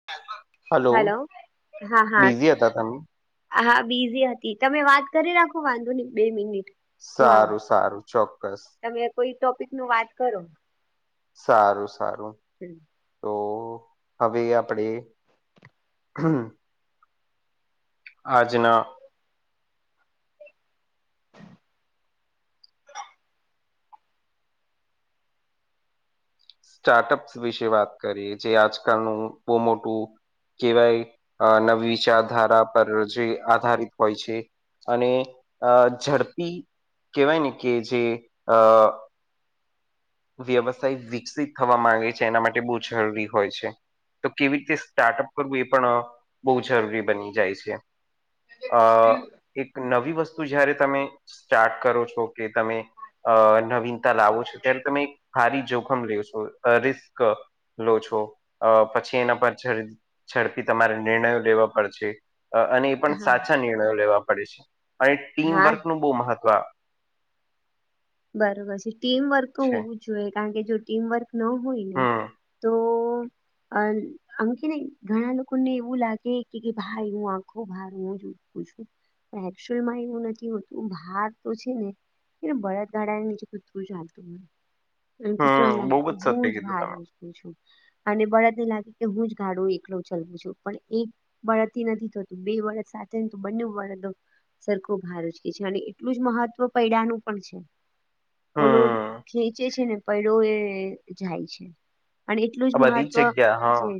[inaudible] Hello હા હા. Busy હતા તમે હા બીઝી હતી તમે વાત કરી રાખો વાંધો ની બે મિનિટ. હું આવ સારું સારું ચોક્કસ તમે કોઈ ટોપિક નું વાત કરો. સારું સારું ઠી [unintelligible] તો હવે આપણે આજના. [inaudible] [unintelligible] સ્ટાર્ટ ટપ વિશે વાત કરીએ જે આજકાલનું બોમોટું કેવાય નવી વિચારધારા પર જે આધારિત હોય છે. અને અ ઝડપી કહેવાય ને કે જે અ વ્યવસાય વિકસિત થવા માંગે છે એના માટે બો જરૂરી હોય છે. તો કેવી રીતે સ્ટાર્ટઅપ કરવું એ પણ બોઉ જરૂરી બની જાય છે. અ એક નવી વસ્તુ જયારે તમે સ્ટાર્ટ કરો છો. કે તમે અ નવીનતા લાવો છો તેમ ત્તમે ભારી જોખમ લેશ છો. રિસ્ક લો છો પછી એના પાછળ ઝડપી તમારે નિર્ણયો લેવા પડશે. અને પણ હા સાચા નિર્ણયો લેવા પડે છે. અને હા ટીમવર્ક નું બો મહત્વ બરોબર છે. ટીમવર્ક તો છે હોવું જોઈએ કારણ કે જો ટીમવર્ક ન હોયને હમ તો અ અમકેને ઘણા લોકોને એવું લાગે કે ભાઈ હું આખો ભાર. [unintelligible] એકચ્યુલીમાં એવું નથી હોતું ભાર તો છે ને કે બળદ દડા નીચે કૂતરું ચાલતું હોત. અને કૂતરાને હમ બહુ લાગે તો સત્ય હું જ કીધું ભાર તમે [unintelligible] અને બળદને લાગે કે હું જ ગાડો એકલો ચલવું છું. પણ એક બળદથી નથી થતું બે બળદ સાથે હોય તો બંને બળદો સરખું ભાર ઊંચકે છે. અને એટલું જ મહત્વ પૈડાનું પણ છે. ઓલો હમ ખેચે છે ને. પયડો એ જાય છે. અને એટલું જ આ બધી મહત્વ જગ્યા જે હા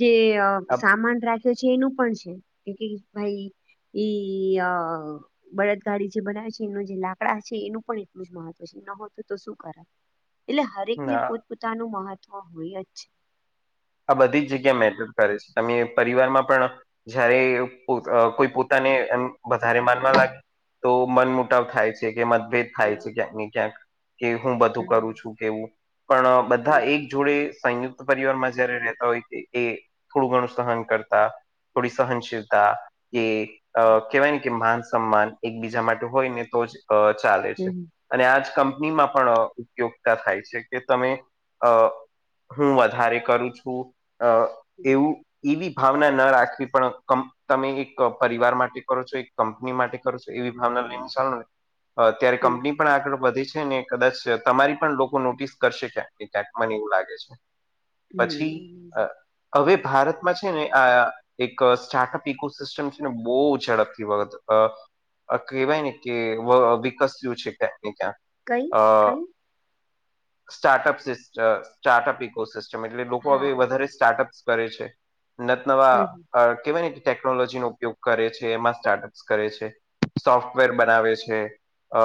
જે સામાન રાખ્યો છે એનું પણ છે કે કે ભાઈ એ અ બળદગાડી જે બનાવે છે એનો જે લાકડા છે એનું પણ મહત્વ છે. ન હોય તો શું કરાય એટલે હરેકને આ પો પોતાનું મહત્વ હોય જ છે. આ બધી જ જગ્યા મેટર કરે છે. તમે પરિવારમાં પણ જયારે કોઈ પોતાને એમ વધારે માનવા લાગી તો મન મુટાવ થાય છે કે મતભેદ થાય હમ છે ક્યાંક ને ક્યાંક કે હું બધું હમ કરું છું કેવું પણ બધા હમ એક જોડે સંયુક્ત પરિવારમાં જ્યારે રેતા હોય એ થોડું ઘણું સહન કરતા થોડી સહનશીલતા કે અ કહેવાય ને કે માન સન્માન એકબીજા માટે હોય ને તો જ અ ચાલે છે. હમ અને આજ કંપનીમાં પણ ઉપયોગતા થાય છે કે તમે અ હું વધારે કરું છું અ હમ એવું એવી ભાવના ન રાખવી પણ તમે એક પરિવાર માટે કરો છો, એક કંપની માટે કરો છો. એવી ભાવના લઈ ને ચાલો ને તો અ ત્યારે હમ કંપની પણ આગળ વધી છે ને કદાચ તમારી પણ લોકો નોટિસ કરશે ક્યાંકને ક્યાંક મને એવું લાગે છે. હમ પછી હમ અવે ભારતમાં છે ને આ એક સ્ટાર્ટઅપ ઈકોસિસ્ટમ છે ને બોઉ ઝડપથી વખત કહેવાય ને કે વિકસ્યું છે ક્યાંક ને ક્યાંક. કઈ અ કઈ સ્ટાર્ટઅપ [unintelligible] સ્ટાર્ટઅપ ઈકોસિસ્ટ એટલે લોકો હા અવે વધારે સ્ટાર્ટઅપસ કરે છે. નતનવા હમ કેવાય ને ટેકનોલોજીનો ઉપયોગ કરે છે એમાં સ્ટાર્ટઅપ્સ કરે છે. સોફ્ટવેર બનાવે છે અ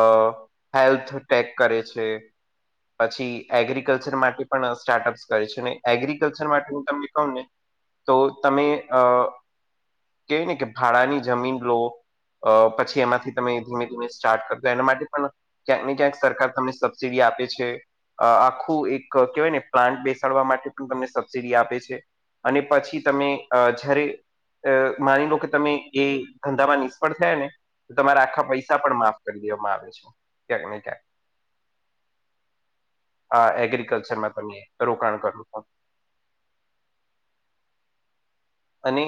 હેલ્થ ટેક કરે છે. પછી એગ્રીકલ્ચર માટે પણ સ્ટાર્ટઅપ છે ને એગ્રીકલ્ચર માટે હું તમને કહું ને તો તમે અ કેય ને કે ભાડાની જમીન લો અ પછી એમાંથી તમે ધીમે ધીમે સ્ટાર્ટ કરજો એના માટે પણ ક્યાંક ને ક્યાંક સરકાર તમને સબસિડી આપે છે આખું એક કેહેવાય ને પ્લાન્ટ બેસ ડ માટે પણ તમને સબસિડી આપે છે અને પછી તમે અ જ્યારે અ માની લો કે તમે એ ધંધામાં નિષ્ફળ થયા ને તમારે આખા પૈસા પણ માફ કરી દેવામાં આવે છે ક્યાંક ને ક્યાક આ એગ્રિકલ્ચરમાં તમે રોકાણ કરું અને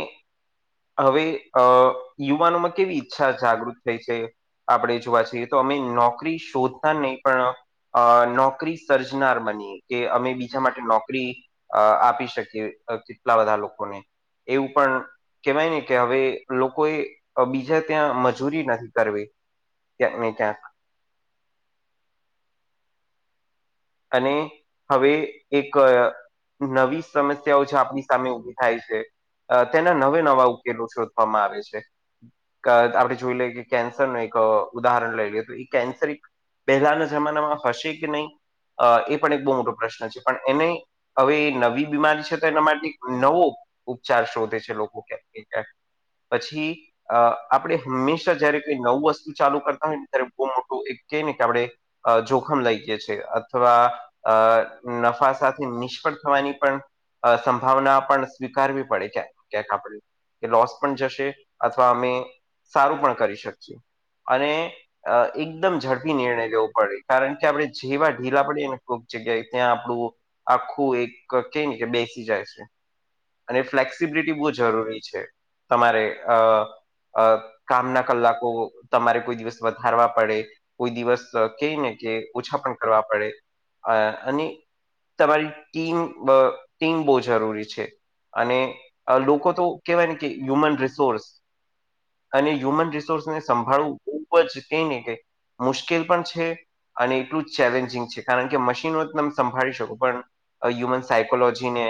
હવે અ યુવાનોમાં કેવી ઈચ્છા જાગૃત થઈ છે. આપણે જોવા જઈએ તો અમે નોકરી શોધનાર ને પણ અ નોકરી સર્જનાર બનીએ કે અમે બીજા માટે નોકરી અ આપી શકીએ કેટલા બધા લોકોને એવું પણ કેવાય ને કે હવે લોકોએ બીજા ત્યાં મજૂરી નથ કરવી કયાક ને કયાક અને હવે એક અ નવી સમસ્યાઓ જો આપણી સામે ઉભી થાય છે. તેના નવે નવા ઉકેલો શોધવામાં આવે છે. કા આપણે જોઈ લઈએ કે કેન્સર નું એક ઉદાહરણ લઈ લઈએ તો એ કેન્સર એક પહેલાના જમાનામાં હશે કે નહીં અ એ પણ એક બહુ મોટો પ્રશ્ન છે પણ એને હવે એ નવી બીમારી છે તો એના માટે નવો ઉપચાર શોધે છે લોકો ક્યાંક ક્યાંક પછી અ આપણે હંમેશા જયારે કઈ નવું વસ્તુ ચાલુ કરતા હોય ને ત્યારે બહુ મોટું એક ક ને કે આપણે અ જોખમ લઈ જશે અથવા અ નફા સાથે નિષ્ફળ થવાની પણ અ સંભાવના પણ સ્વીકારવી પડે ક્યાં ક્યાંક આપણે કે લોસ પણ જશે અથવા અમે સારું પણ કરી શકીએ અને અ એકદમ ઝડપી નિર્ણય લેવો પડે કારણ કે આપણે જેવા ઢીલા પડીએ ને કોક જગ્યાએ ત્યાં આપણું આખું એક કે ને કે બેસી જાય છે. અને ફ્લેક્સિબિલિટી બહુ જરૂરી છે તમારે અ અ કામના કલાકો તમારે કોઈ દિવસ વધારવા પડે કોઈ દિવસ કેય ને કે ઓછા પણ કરવા પડે અ અને તમારી ટીમ બ ટીમ બહુ જરૂરી છે. અને અ લોકો તો કેવાય ને કે હ્યુમન રિસોર્સ અને હ્યુમન રિસોર્સને સંભાળવું ખુબ જ કે ને કે મુશ્કેલ પણ છે અને એટલું જ ચેલેન્જિંગ છે કારણ કે મશીનો તમે સંભાળી શકો પણ અ હ્યુમન સાયકોલોજીને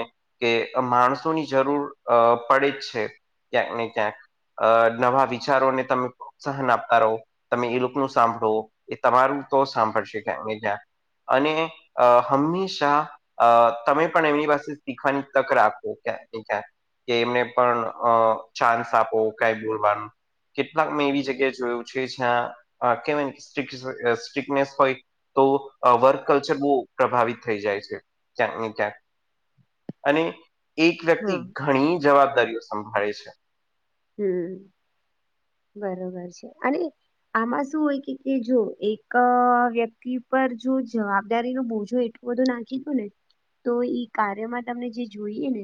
કે માણસોની જરૂર અ પડે જ છે. ક્યાંક ને ક્યાંક અ નવા વિચારોને તમે પ્રોત્સાહન આપતા રહો તમે એ લોકો નું સાંભળો એ તમારું તો સાંભળશે કે ક્યાંક ને ક્યાંક અને અ હંમેશા અ તમે પણ એમની પાસે શીખવાની તક રાખો ક્યાંક ને ક્યાંક. કે એમને પણ અ ચાન્સ આપો કાઈ બોલવાનું કેટલાક મેં એવી જગ્યાએ જોયું છે જ્યાં કેવાય સ્ટ્રીક અ સ્ટ્રીકનેસ હોય તો અ વર્ક કલ્ચર બહુ પ્રભાવિત થઈ જાય છે ક્યાંક ને ક્યાંક. અને એક વ્યક્તિ હા ઘણી જવાબદારીઓ સંભાળે છે. હમ્મ, બરોબર છે અને આમાં શું હોય કે જો એક અ વ્યક્તિ પર જો જવાબદારી નો બોજો એટ બધું નાખી દો ને તો ઈ કાર્યમાં તમને જે જોઈએ ને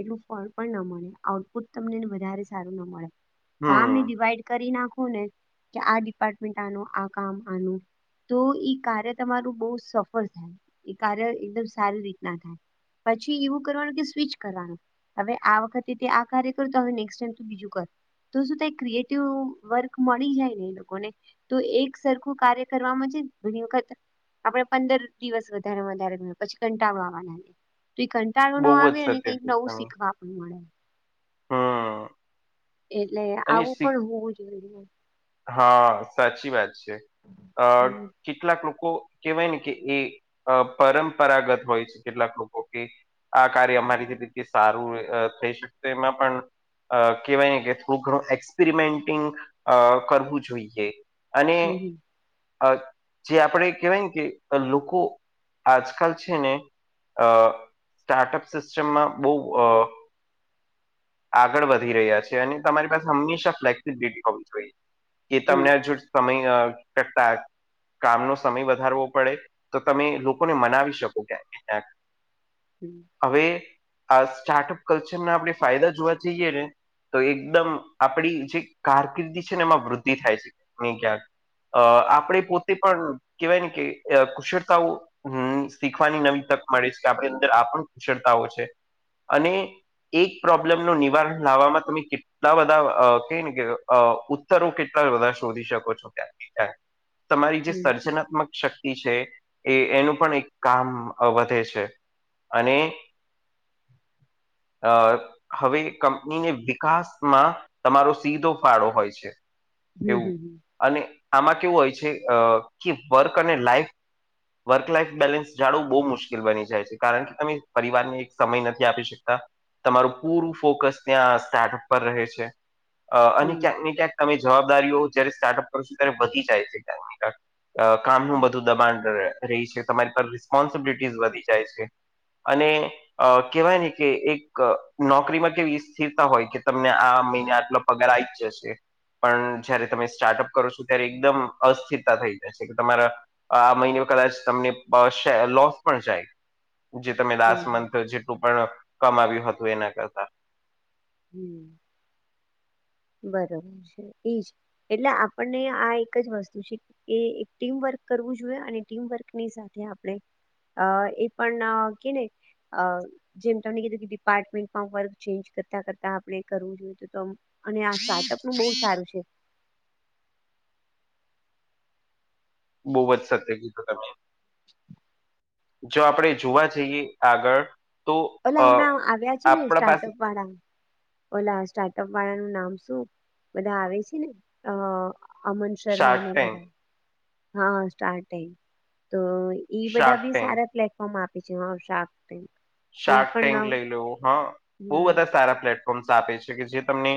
એટલું ફળ પણ ન મળે આઉટપુટ તમને ને વધારે સારું ના મળે. કામ ને હમ ડિવાઈડ કરી નાખો ને કે આ ડિપાર્ટમેન્ટ આનું, આ કામ આનું તો ઈ કાર્ય તમારું બહુ સફળ થયું, એ કાર્ય એકદમ સારી રીતના થાય. પછી એવું કરવાનું કે સ્વીચ કરવાનું હવે આ વખતે તે આ કાર્ય કર તો હવે નેક્સ ટાઈમ બીજું કર. તો શું ત ક્રિએટિવ વર્ક મળી જાય ને એ લોકોને તો એક સરખું કાર્ય કરવાવામાં છે ઘણી વખત આપડે પંદર દિવસ વધારે વધારે પછી કંટાળો આવા લાગે તો એ કંટ ટાળો નો બહુ જ આવે સત્ય ને કઈક કીધું નવું તમે શીખવા આપણું મળે. હમ એટલે અને આવું શી પણ હોવું જોઈએ. હા સાચી વાત છે. અ હમ કેટલાક લોકો કેહેવાય ને કે એ પરંપરાગત હોય છે કેટલાક લોકો કે આ કાર્ય અમારી થીલી સારું થઈ શકશે એમાં પણ અ કહેવાય ને કે થો ઘણું એક્સપેરિમેન્ટિંગ કરવું જોઈએ અને અ જે આપણે કેહેવાય ને કે લોકો આજકાલ છે ને અ સ્ટાર્ટઅપ સિસ્ટમમાં બહુ અ આગળ વધી રહ્યા છે અને તમારી પાસે હંમેશા ફ્લેક્સિબિલિટી હોવી જોઈએ કે હમ, તમને હજુ સમય અ શકતા કામનો સમય વધારવો પડે તો તમે લોકોને મનાવી શકો ક્યાં ક્યાંક. [inaudible] હમ્મ. હવે આ સ્ટાર્ટઅપ કલ્ચરના આપણે ફાયદા જોવા જઈએ ને તો એકદમ આપડી જે કારકિર્દી છે ને એમાં વૃદ્ધિ થાય છે [inaudible] ને ક્યાંક. અ આપણે પોતે પણ કેવાય ને કે કુશળતાઓ હમ્મ, શીખવાની નવી તક મળે છે કે આપણી અંદર આ પણ કુશળતાઓ છે. અને એક પ્રોબ્લેમનું નિવારણ લાવવામાં તમે કેટલુ એટલા બધા કને કે ઉત્તરો કેટલા બધા શોધી શકો છો ક્યાં. તમારી જે હમ, સર્જનાત્મક શક્તિ છે એ એનું પણ એક કામ વધે છે. અને અ હવે કંપનીને વિકાસમાં તમારો સીધો ફાળો હોય છે. હમ, એવું હમ, અને આમાં કેવું હોય છે અ કે વર્ક અને લાઈફ વર્ક લાઈફ બેલેન્સ જાળવું બહુ મુશ્કેલ બની જાય છે. કારણ કે તમે પરિવારને એક સમય નથી આપી શકતા તમારું પૂરું ફોકસ ત્યાં સ્ટાર્ટઅપ પર રહે છે અને હમ, ક્યાંક ને ક્યાંક તમે જવાબદારીઓ જ્યારે સ્ટાર્ટઅપ કરો છો ત્યારે વધી જાય છે કાક ને કાક. કામનું હમ, બધું દબાણ રહી છે તમારી પર રિસ્પોન્સિબિલિટીઝ વધી જાય છે. અને અ કહેવાય ને કે એક નોકરીમાં કેવી સ્થિરતા હોય કે તમને આ મહિને આટલો પગાર આવી જશે. પણ જયારે તમે સ્ટાર્ટઅપ કરો છો ત્યારે એકદમ અસ્થિરતા થઈ જાય છે કે તમારા આ મહિને કદાચ તમને લોસ પણ જાય. જે તમે હમ, લાસ્ટ હમ, મંથ જેટલું પણ કમાવ્યું હતું એના કરતા. હમ્મ. બરોબર છે ઈજ, એટલે આપણને આ એક જ વસ્તુ છે એ એક ટીમવર્ક કરવું જોઈએ અને ટીમવર્કની સાથે આપણે અ એ પણ કેને અ. જેમ તમને કીધું કે ડિપાર્ટમેન્ટ ફોમ વર્ક ચેન્જ કરતા કરતા આપણે કરવું જોઈએ તો. અને આ સ્ટાર્ટઅપ નું બહુ સારું છે. બહુબ જ સત્ય કીધું તમે. [unintelligible] જો આપણે જોવા જઈએ આગળ તો ઓલા અ હમણાં આવ્યા છે ને આપણા પાસે સ્ટાર્ટઅપ વાળા ઓલા સ્ટાર્ટઅપ વાળાનું નામ શું બધા આવે છે ને અ. અમન શર્મા શાર્ક ને ટેન્ક બધા હા સ્ટાર્ટ એ તો ઈ બધા શાર્ક બી ટેન્ક સારા પ્લેટ ફોમ મા આપી છે હ શાકૅ ટેન્ક. તો ઈ શાર્ક પણ ટેન્ક ન- લઈ લેવું હા બહુ હમ બધા સારા પ્લેટ [inaudible] આપે છે કે જે તમને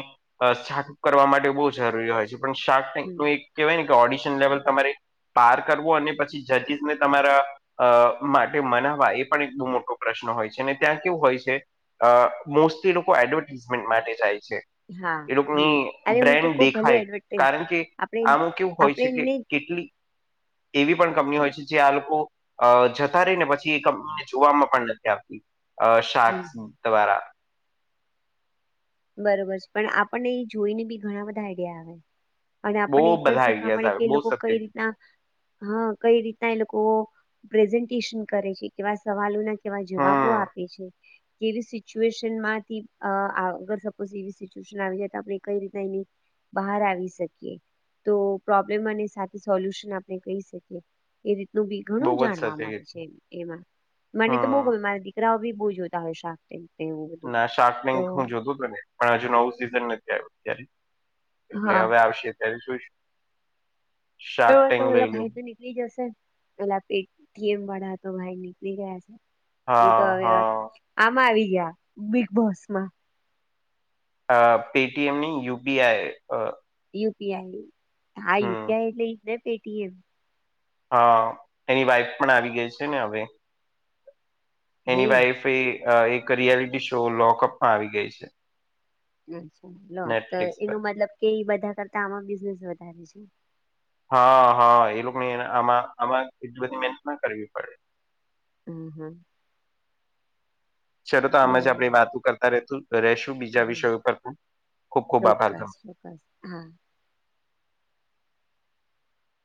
શાક કરવા માટે બહુ જરૂરી હોય છે પણ શાર્ક ટેન્ક નું હમ એક. કહેવાય ને કે ઓડિશન લેવલ તમારે પાર કરવો અને પછી જજીસ ને તમારા. અ માટે મનાવવા એ પણ એટલો મોટો પ્રશ્ન. હોય છે અને ત્યાં કેવું હોય છે અ મોસ્ટલી લોકો એડવર્ટીઝમેન્ટ માટે જાય છે. હા એ હમ લોકોની અરે હું તો બ્રેન્ડ કઉ ભલે દેખાય એડવર્ટાઈઝ કારણ કે આપણે આમ કેવું હોય આપણે છે કે એમને કેટલી. એવી પણ કંપની હોય છે જે આ લોકો અ જતા રહી ને પછી એ કંપનીને જોવામાં પણ નથી. અ શાર્ક હમ, તમારા. બરોબર પણ આપણને એ જોઈને બી ઘણા બધા આઈડિયા આવે. અને બહુ આપણને ઈ પણ બધા શીખવા આઈડિયાઝ મળે કે આવે એ બહુ લોકો સત્ય કઈ કીધું. રીતના હા કઈ રીતના એ લોકો. પ્રેઝન્ટેશન કરે છે કેવા સવાલો ના કેવા જવાબો હમ આપે છે. કેવી સિચ્યુએશન માંથી અ આગળ. પછી એવી સિચવેસન આપડે કાઈ રીતે એની. બહાર આવી શકીએ તો પ્રોબ્લેમ અને સાથે સોલ્યુશન આપણે કહી શકીએ. એ રીતનું બી ઘણું બહુ જ સત્ય જાણવા મળે કીધું છે એમાં. મને તો બહુ ગમે હમ મારા દીકરાઓ ભી બહુ જોતા હોય શાર્ક. એવું. બધું ના શાર્ક લિંક તો હું જોતો ઘરે. પણ હજુ નવું સિઝન નથી આવ્યું અત્યારે, એટલે હા હવે આવશે અત્યારે જોઈશું. હ શાર્ક તો ટેન્ક પલા લઈ લઉ ભાઈ તો નીકળી જશે, પેલા પેટ થી ગેમ વાળા તો ભાઈ નીકળી ગયા. એ હા તો હવે હા આમાં આવી ગયા, બિગ બોસમાં. પે ટી એમ ની યુ પી આઈ. યુપીઆઈ હા યુપીઆઈ એટલે એજ ને પેટીએમ હ એની વાઈફ પણ આવી ગઈ છે ને હવે હે એની વાઈફ એ. અ એક રિયાલિટી શો લોકઅપમાં આવી ગઈ છે. [unintelligible] નેટફ્લિક્સ પર એનું મતલબ કે બધા કરતા આમાં બિઝનેસ વધારે છે. હા હા એ લોકોને આમાં આમાં એટલી બધી મહેનત ના કરવી પડે. હમ્મ હમ્મ ચલો તો આમ જ બરોબર આપણે વાતો કરતા રહેશું રશું બીજા હા વિષયો પર પણ ખુબ ખુબ આભાર તમને. [inaudible] હા.